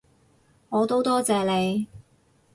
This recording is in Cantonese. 我都多謝你